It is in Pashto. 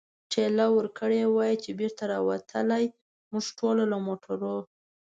ټېله ورکړې وای، چې بېرته را وتلای، موږ ټول له موټرو.